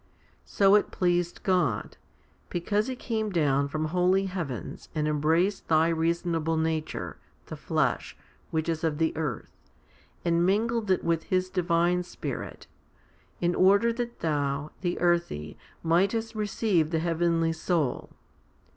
1 So it pleased God; because He came down from holy heavens and embraced thy reasonable nature, the flesh, which is of the earth, and mingled it with His divine Spirit, in order that thou, the earthy, mightest receive the heavenly soul.